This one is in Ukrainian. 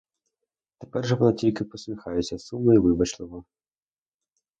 Тепер же вона тільки посміхається сумно й вибачливо.